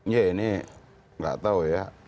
ya ini nggak tahu ya